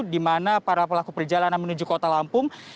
di mana para pelaku perjalanan menuju kota lampung